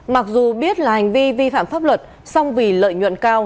mặc dù biết là hành vi vi phạm pháp luật song vì lợi nhuận cao